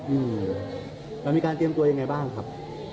อืมเรามีการเตรียมตัวยังไงบ้างครับ